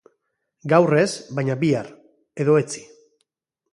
Gaur ez, baina bihar, edo etzi.